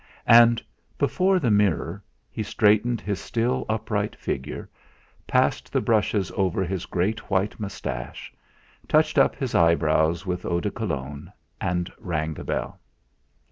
And before the mirror he straightened his still upright figure, passed the brushes over his great white moustache, touched up his eyebrows with eau de Cologne, and rang the bell.